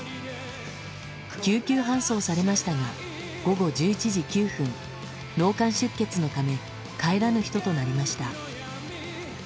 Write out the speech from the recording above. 救急搬送されましたが午後１１時９分、脳幹出血のため帰らぬ人となりました。